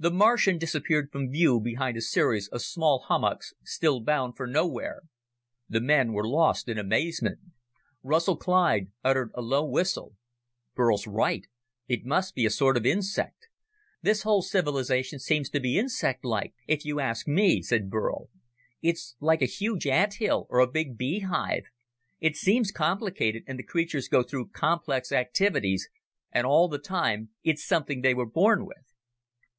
The Martian disappeared from view behind a series of small hummocks, still bound for nowhere. The men were lost in amazement. Russell Clyde uttered a low whistle. "Burl's right. It must be a sort of insect." "This whole civilization seems to be insectlike, if you ask me," said Burl. "It's like a huge anthill, or a big bee hive. It seems complicated, and the creatures go through complex activities, and all the time it's something they were born with."